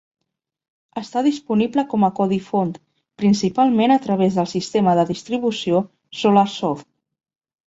Està disponible com a codi font, principalment a través del sistema de distribució Solarsoft.